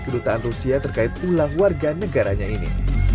kedutaan rusia terkait ulang warga negaranya ini